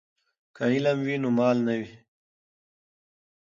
که علم وي نو مال نه وي.